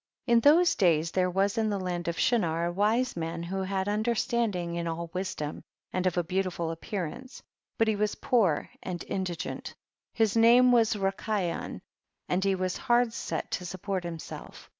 In those days there was in the land of Shinar a wise man who had understanding in all wisdom, and of a beautiful appearance, but he was poor and indigent ; his name was Rikayon and he was hard set to sup port himself.